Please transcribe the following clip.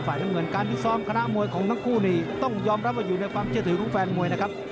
น้ำเงินการพิซ้อมคณะมวยของทั้งคู่นี่ต้องยอมรับว่าอยู่ในความเชื่อถือของแฟนมวยนะครับ